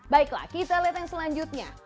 baiklah kita lihat yang selanjutnya